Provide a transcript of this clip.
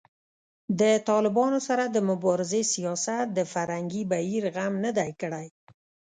د طالبانو سره د مبارزې سیاست د فرهنګي بهیر غم نه دی کړی